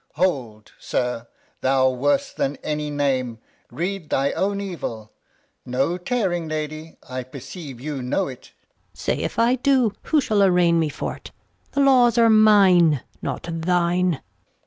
Hold, Madam, Thou worse than any Name, read thy own Evil ; No Tearing, Lady, I perceive you know it. Gon. Say, if I do, who shall arraign me for't ? The Laws are mine, not thine.